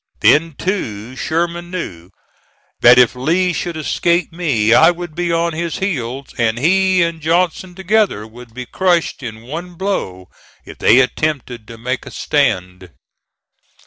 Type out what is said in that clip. Then, too, Sherman knew that if Lee should escape me I would be on his heels, and he and Johnson together would be crushed in one blow if they attempted to make a stand.